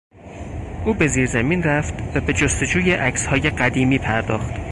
او به زیرزمین رفت و به جستجوی عکسهای قدیمی پرداخت.